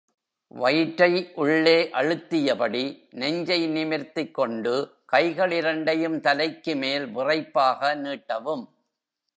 வயிற்றை உள்ளே அழுத்தியபடி நெஞ்சை நிமிர்த்திக் கொண்டு கைகள் இரண்டையும் தலைக்கு மேல் விறைப்பாக நீட்டவும்.